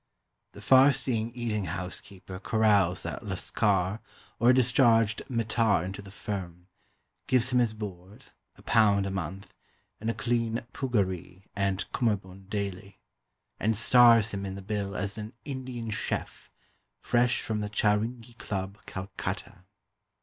The far seeing eating house keeper corrals a Lascar or a discharged Mehtar into the firm, gives him his board, a pound a month, and a clean puggaree and Kummerbund daily, and "stars" him in the bill as an "Indian chef, fresh from the Chowringhee Club, Calcutta."